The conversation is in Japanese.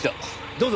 どうぞ。